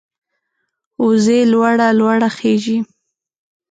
وزې لوړه لوړه خېژي